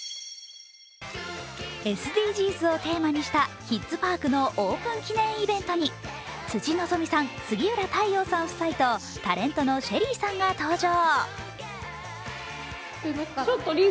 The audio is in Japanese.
ＳＤＧｓをテーマにしたキッズパークのオープン記念イベントに辻希美さん、杉浦太陽さん夫妻とタレントのシェリーさんが登場。